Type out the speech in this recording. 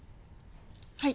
はい。